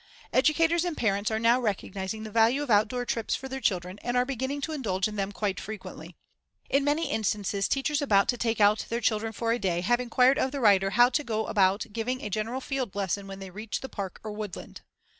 Educators and parents are now recognizing the value of outdoor trips for their children and are beginning to indulge in them quite frequently. In many instances teachers about to take out their children for a day have inquired of the writer how to go about giving a general field lesson when they reached the park or woodland.